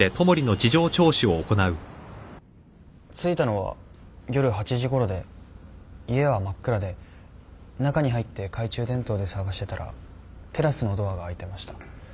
着いたのは夜８時ごろで家は真っ暗で中に入って懐中電灯で捜してたらテラスのドアが開いてました。